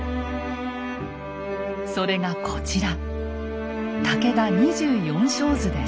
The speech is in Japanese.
それがこちら。